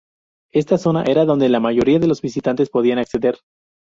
Esta zona era donde la mayoría de los visitantes podían acceder.